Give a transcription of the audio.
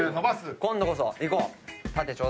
今度こそいこう。